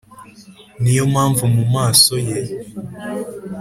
ni yo mpamvu mu maso ye